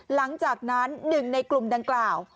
หลังจากนั้นหนึ่งในกลุ่มดังกล่าว